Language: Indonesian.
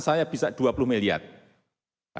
presiden jokowi mengatakan